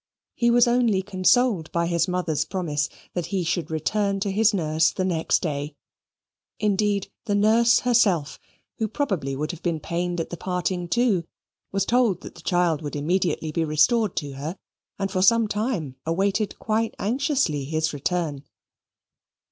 He was only consoled by his mother's promise that he should return to his nurse the next day; indeed the nurse herself, who probably would have been pained at the parting too, was told that the child would immediately be restored to her, and for some time awaited quite anxiously his return.